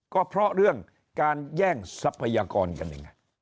ก็เพราะเรื่องการแย่งทรัพยากรกันเอง